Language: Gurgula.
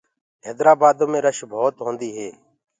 هيدرآ بآدو مي رش ڀوت هوندي هي۔